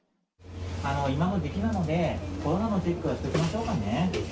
今の時期なので、コロナのチェックはしておきましょうかね。